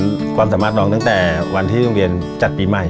ความสามารถน้องตั้งแต่วันที่โรงเรียนจัดปีใหม่